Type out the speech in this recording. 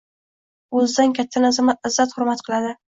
O’zidan kattani izzat-hurmat qildi.